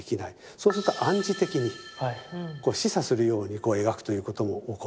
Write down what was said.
そうすると暗示的に示唆するように描くということも起こる。